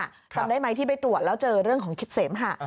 จำได้ไหมที่ไปตรวจแล้วเจอเรื่องของคิดเสมหะ